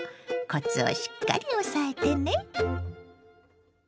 コツをしっかり押さえてね。